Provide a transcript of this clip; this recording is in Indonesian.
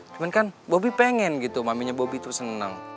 cuman kan bobi pengen gitu maminya bobi tuh seneng